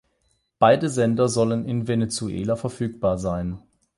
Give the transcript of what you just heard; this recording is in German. Beide Sender sollen in Venezuela verfügbar sein.